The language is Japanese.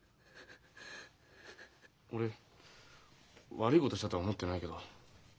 俺悪いことしたとは思ってないけど。